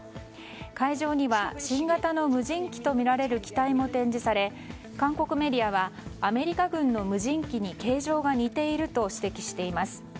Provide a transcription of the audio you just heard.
会場には新型の無人機とみられる機体も展示され韓国メディアはアメリカ軍の無人機に形状が似ていると指摘しています。